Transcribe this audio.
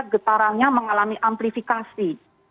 getarannya mengalami amplifikasi